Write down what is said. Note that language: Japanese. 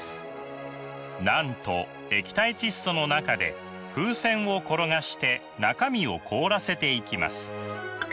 なんと液体窒素の中で風船を転がして中身を凍らせていきます。